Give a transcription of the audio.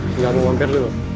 tinggal mau mampir dulu